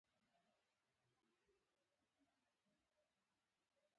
د متل او اصطلاح ترمنځ توپیر روښانه کول اړین دي